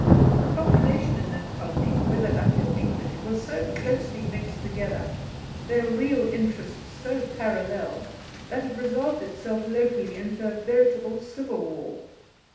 The population in that colony, whether Dutch or English, were so closely mixed together their real interests so parallel that it resolved itself locally into a veritable civil war.